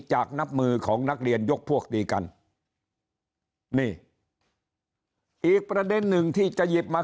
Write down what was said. จากนับมือของนักเรียนยกพวกตีกันนี่อีกประเด็นหนึ่งที่จะหยิบมา